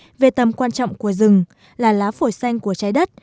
nhiều thông tin về tầm quan trọng của rừng là lá phổi xanh của trái đất